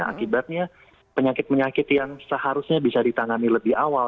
akibatnya penyakit penyakit yang seharusnya bisa ditangani lebih awal